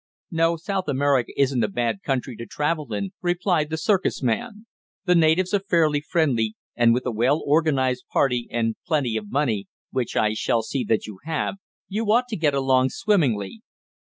"No, South America isn't a bad country to travel in," replied the circus man. "The natives are fairly friendly, and with a well organized party, and plenty of money, which I shall see that you have, you ought to get along swimmingly.